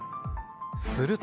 すると。